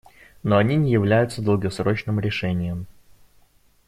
Но они не являются долгосрочным решением.